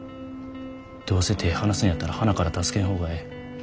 どうせ手ぇ離すんやったらはなから助けん方がええ。